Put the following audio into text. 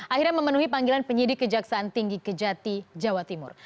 akhirnya memenuhi panggilan penyidik kejaksaan tinggi kejati jawa timur